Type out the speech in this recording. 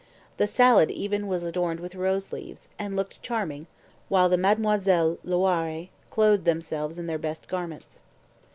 The salad even was adorned with rose leaves, and looked charming, while the Mesdemoiselles Loiré clothed themselves in their best garments.